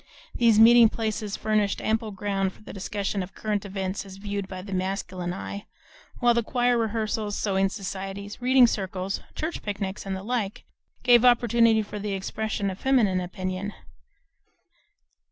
These meeting places furnished ample ground for the discussion of current events as viewed by the masculine eye, while choir rehearsals, sewing societies, reading circles, church picnics, and the like, gave opportunity for the expression of feminine opinion.